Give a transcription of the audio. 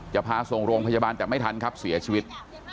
จะพาส่งโรงพยาบาลแต่ไม่ทันครับเสียชีวิต